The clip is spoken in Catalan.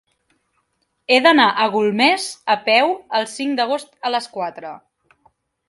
He d'anar a Golmés a peu el cinc d'agost a les quatre.